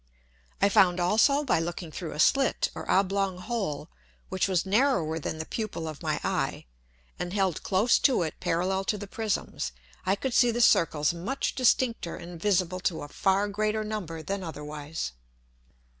I found also by looking through a slit or oblong hole, which was narrower than the pupil of my Eye, and held close to it parallel to the Prisms, I could see the Circles much distincter and visible to a far greater number than otherwise.